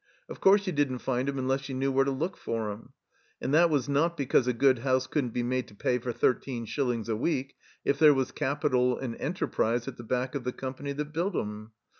Of course you didn't find 'em unless you knew where to look for 'em. And that was not be cause a good 'ouse cotddn't be made to pay for thirteen shillings a week, if there was capital and enterprise at the back of the Company that built 'em.